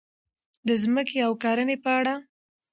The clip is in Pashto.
د ځمکې او کرنې په اړه: